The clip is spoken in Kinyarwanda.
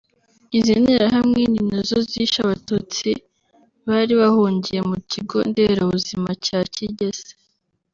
Izi nterahamwe ni nazo zishe Abatutsi bari bahungiye mu Kigo Nderabuzima cya Kigese